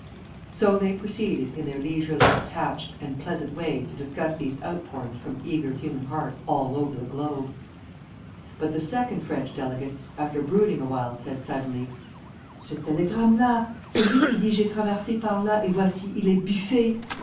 So they proceeded in their leisurely, attached, and pleasant way to discuss these outpourings from eager human hearts all over the globe. But the second French delegate, after brooding a while, said suddenly, "Ce télégramme là, celui qui dit 'j'ai traversé par là, et voici, il est biffé!'